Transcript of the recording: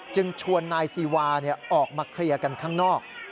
จึงชวนนายซีวาออกมาเคลียร์กันข้างนอก